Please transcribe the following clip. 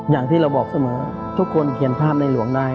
อย่างที่เราบอกเสมอทุกคนเขียนภาพในหลวงได้